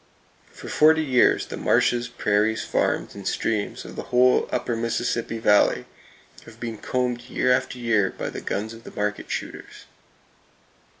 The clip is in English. For forty years the marshes, prairies, farms and streams of the whole upper Mississippi Valley have been combed year after year by the guns of the market shooters.